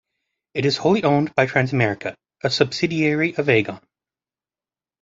It is wholly owned by Transamerica, a subsidiary of Aegon.